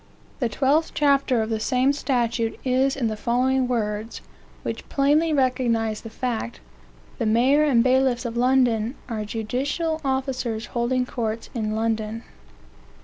The 12th chapter of the same statute is in the following words, which plainly recognize the fact that " the mayor and bailiffs of London" are judicial officers holding courts in London.